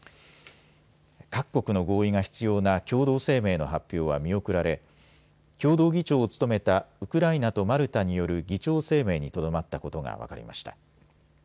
各国の合意が必要な共同声明の発表は見送られ共同議長を務めたウクライナとマルタによる議長声明にとどまったことが分かりました。